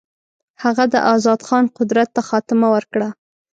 هغه د آزاد خان قدرت ته خاتمه ورکړه.